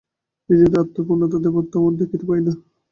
নিজেদের আত্মার পূর্ণতা ও দেবত্ব আমরা দেখিতে পাই না।